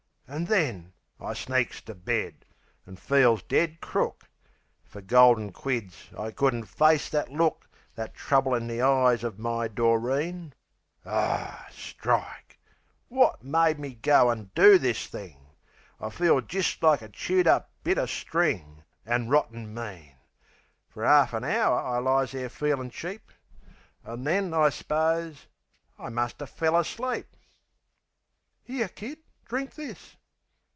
An' then, I sneaks to bed, an' feels dead crook. Fer golden quids I couldn't face that look That trouble in the eyes uv my Doreen. Aw, strike! Wot made me go an' do this thing? I feel jist like a chewed up bit of string, An' rotten mean! Fer 'arf an hour I lies there feelin' cheap; An' then I s'pose, I muster fell asleep.... "'Ere, Kid, drink this"...